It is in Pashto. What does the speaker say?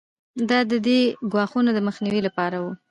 دا د دې ګواښونو د مخنیوي لپاره وو.